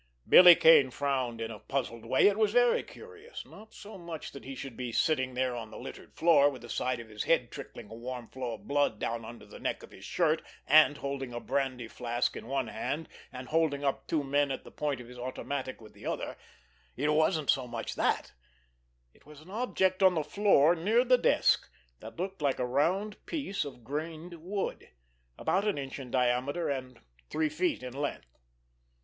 Billy Kane frowned in a puzzled way. It was very curious—not so much that he should be sitting there on the littered floor, with the side of his head trickling a warm flow of blood down under the neck of his shirt, and holding a brandy flask in one hand, and holding up two men at the point of his automatic with the other; it wasn't so much that, it was an object on the floor near the desk that looked like a round piece of grained wood, about an inch in diameter and three feet in length.